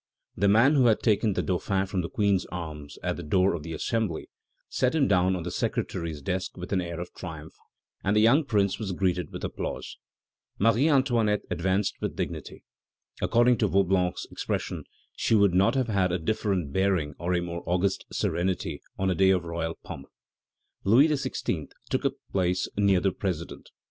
The man who had taken the Dauphin from the Queen's arms at the door of the Assembly set him down on the secretary's desk with an air of triumph, and the young Prince was greeted with applause. Marie Antoinette advanced with dignity. According to Vaublanc's expression, she would not have had a different bearing or a more august serenity on a day of royal pomp. Louis XVI. took a place near the president.